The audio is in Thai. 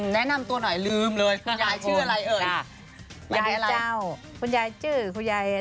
แนะนำตัวหน่อยลืมเลยคุณยายชื่ออะไรเอ่ย